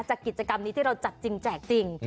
กิจกรรมนี้ที่เราจัดจริงแจกจริง